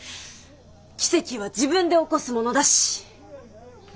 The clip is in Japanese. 奇跡は自分で起こすものだし！